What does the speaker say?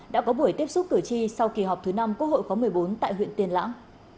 đã có buổi tiếp xúc cử tri sau kỳ họp thứ năm quốc hội khóa một mươi bốn tại huyện tiên lãng